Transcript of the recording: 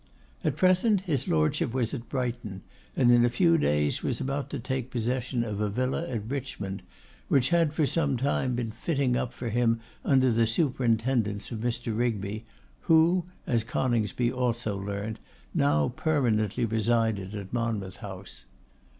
At present his Lordship was at Brighton, and in a few days was about to take possession of a villa at Richmond, which had for some time been fitting up for him under the superintendence of Mr. Rigby, who, as Coningsby also learnt, now permanently resided at Monmouth House.